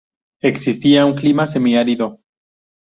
Existía en un clima semiárido.